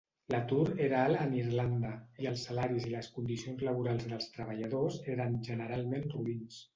L'atur era alt en Irlanda, i els salaris i les condicions laborals dels treballadors eren generalment roïns.